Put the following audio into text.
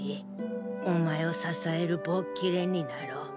お前を支える棒きれになろう。